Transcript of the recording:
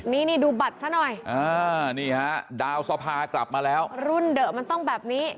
นี่นี่ดูบัตรซะหน่อยนี่ฮะดาวสภากลับมาแล้วรุ่นเดอะมันต้องแบบนี้